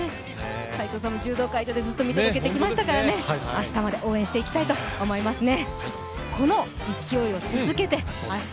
斎藤さんも柔道会場でずっと見届けてきましたから明日も応援していきたいと思いますね。